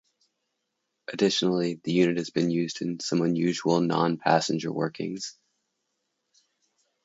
Additionally, the unit has been used in some unusual non-passenger workings.